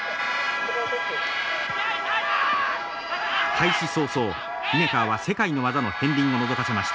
開始早々リネカーは世界の技の片りんをのぞかせました。